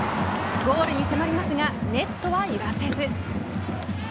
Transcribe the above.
ゴールに迫りますがネットは揺らせず。